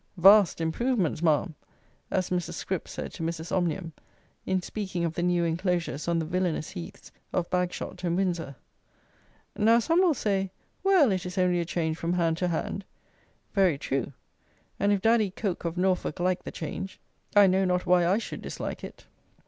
"Vast improvements, ma'am!" as Mrs. Scrip said to Mrs. Omnium, in speaking of the new enclosures on the villanous heaths of Bagshot and Windsor. Now, some will say, "Well, it is only a change from hand to hand." Very true, and if Daddy Coke of Norfolk like the change, I know not why I should dislike it.